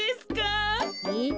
えっ？